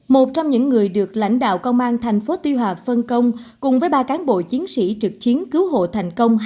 một trong những người được lãnh đạo công an thành phố tuy hòa phân công cùng với ba cán bộ chiến sĩ trực chiến cứu hộ thành công